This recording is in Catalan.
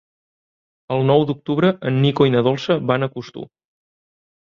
El nou d'octubre en Nico i na Dolça van a Costur.